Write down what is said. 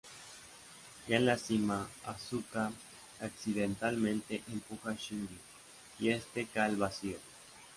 Ya en la cima, Asuka accidentalmente empuja a Shinji, y este cae al vacío.